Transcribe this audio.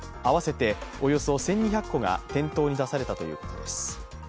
およそ１２００個が店頭に出されたということです。